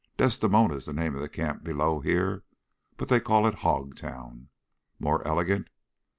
Desdemona's the name of a camp below here, but they call it Hog Town. More elegant!